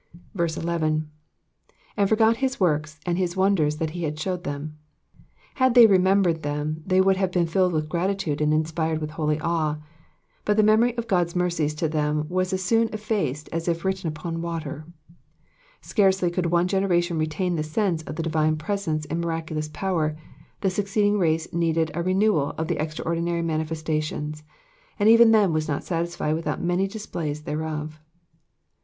11. ^'^ And forgat his work^^ and his wonders that he had shewed them.^^ Had they remembered them they would have been filled with gratitude and inspired with holy awe : but the memory of God'a mercies to them was as soon effaced Digitized by VjOOQIC PSALM THE SEVENTY EIGHTH. 437 as ff written npon water. Scarcely could one generation retain the sense of the divine presence in miraculous power, the succeeding race needed a renewal of the extraordinary manifestations, and even then was nut satisfied without many displays thereof.